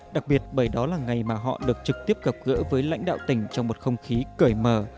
đặc biệt bởi đó là ngày mà họ được trực tiếp gặp gỡ với lãnh đạo tỉnh trong một không khí cởi mở